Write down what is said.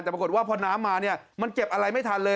แต่ปรากฏว่าพอน้ำมาเนี่ยมันเก็บอะไรไม่ทันเลย